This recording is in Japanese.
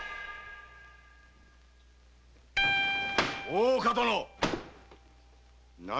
大岡殿！